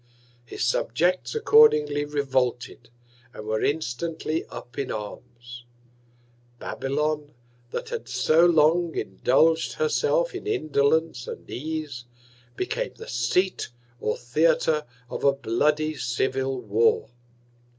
His Subjects accordingly revolted, and were instantly up in Arms. Babylon, that had so long indulg'd herself in Indolence and Ease, became the Seat, or Theatre of a bloody Civil War.